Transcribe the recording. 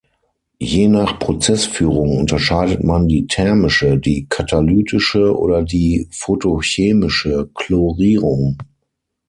Je nach Prozessführung unterscheidet man die thermische, die katalytische oder die photochemische Chlorierung.